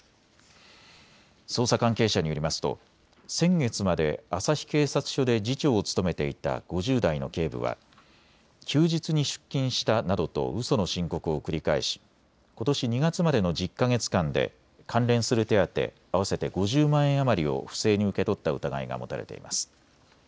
捜査関係者によりますと先月まで旭警察署で次長を務めていた５０代の警部は休日に出勤したなどとうその申告を繰り返しことし２月までの１０か月間で関連する手当、合わせて５０万円余りを不正に受け取った疑いが持たれています。